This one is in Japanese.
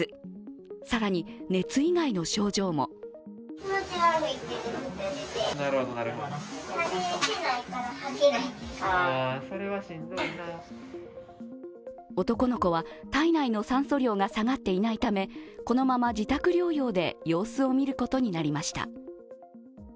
更に、熱以外の症状も男の子は体内の酸素量が下がっていないためこのまま自宅療養で様子を見ることになりました。